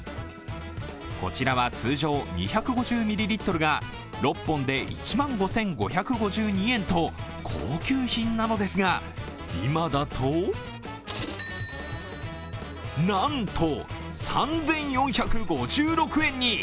こちらは、通常２５０ミリリットルが６本で１万５５５２円と高級品なのですが、今だとなんと３４５６円に！